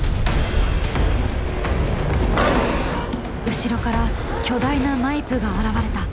後ろから巨大なマイプが現れた。